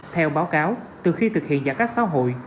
theo báo cáo từ khi thực hiện giãn cách xã hội